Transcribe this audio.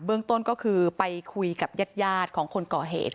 เรื่องต้นก็คือไปคุยกับญาติของคนก่อเหตุ